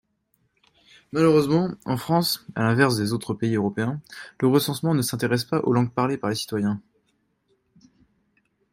Malheureusement, en France (à l’inverse des autres pays européens), le recensement ne s’intéresse pas aux langues parlées par les citoyens.